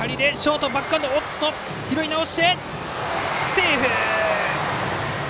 セーフ！